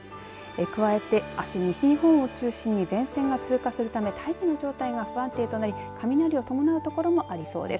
加えて、あす西日本を中心に前線が通過するため大気の状態が不安定となり雷を伴う所もありそうです。